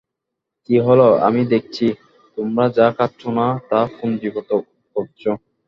কি হল, আমি দেখছি, তোমরা যা খাচ্ছো না তা পুঞ্জিভূত করছো!